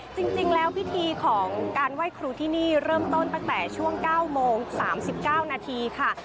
จริงแล้วพิธีของการไหว้ครูที่นี่เริ่มต้นตั้งแต่ช่วง๙โมง๓๙นาทีค่ะ